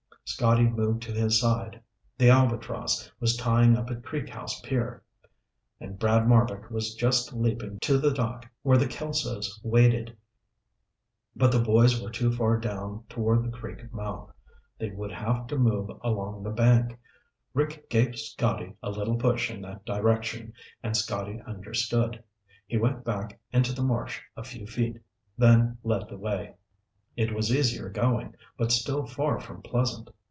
Scotty moved to his side. The Albatross was tying up at Creek House pier, and Brad Marbek was just leaping to the dock where the Kelsos waited. But the boys were too far down toward the creek mouth. They would have to move along the bank. Rick gave Scotty a little push in that direction and Scotty understood. He went back into the marsh a few feet, then led the way. It was easier going, but still far from pleasant.